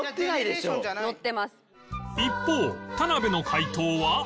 一方田辺の解答は